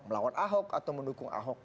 melawan ahok atau mendukung ahok